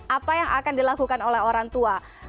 apa yang akan dilakukan oleh orang tua